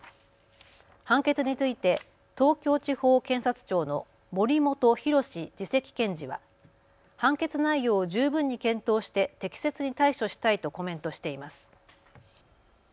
判決について東京地方検察庁の森本宏次席検事は判決内容を十分に検討して適切に対処したいとコメントしています。